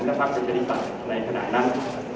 พักประชาธิปัตย์ในขณะนั้น